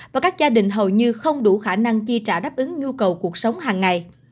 và các gia đình hầu như không đủ khả năng chi trả đáp ứng nhu cầu cuộc sống hàng ngày